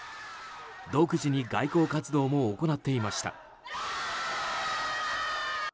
独自に外交活動も行っていました。